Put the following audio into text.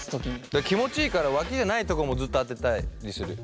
だから気持ちいいからわきじゃないとこもずっと当てたりする。